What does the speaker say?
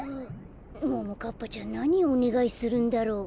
ももかっぱちゃんなにおねがいするんだろう。